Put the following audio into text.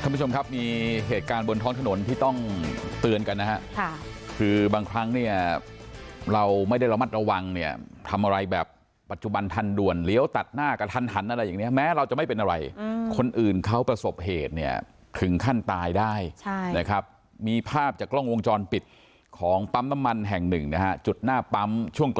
ท่านผู้ชมครับมีเหตุการณ์บนท้องถนนที่ต้องเตือนกันนะฮะค่ะคือบางครั้งเนี่ยเราไม่ได้ระมัดระวังเนี่ยทำอะไรแบบปัจจุบันทันด่วนเลี้ยวตัดหน้ากระทันหันอะไรอย่างเงี้แม้เราจะไม่เป็นอะไรคนอื่นเขาประสบเหตุเนี่ยถึงขั้นตายได้ใช่นะครับมีภาพจากกล้องวงจรปิดของปั๊มน้ำมันแห่งหนึ่งนะฮะจุดหน้าปั๊มช่วงกลาง